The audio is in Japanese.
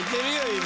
今。